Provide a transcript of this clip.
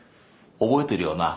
覚えてるよな？